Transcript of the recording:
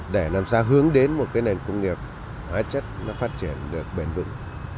để làm sao hướng đến một nền công nghiệp hóa chất phát triển được bền vững